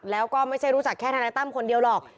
แล้วก็ไม่ใช่รู้จักแค่ทนายตั้มคนเดียวหรอก